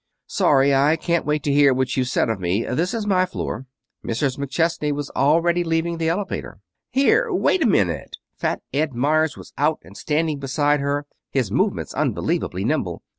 "Sorry I can't wait to hear what you've said of me. This is my floor." Mrs. McChesney was already leaving the elevator. "Here! Wait a minute!" Fat Ed Meyers was out and standing beside her, his movements unbelievably nimble.